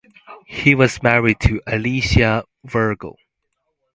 He was married to Alicia Vergel.